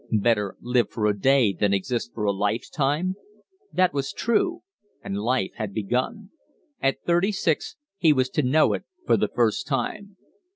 Better live for a day than exist for a lifetime! That was true; and life had begun. At thirty six he was to know it for the first time.